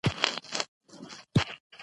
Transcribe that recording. شینکوریزه غازونه په اتموسفیر کې تودوخه ساتي.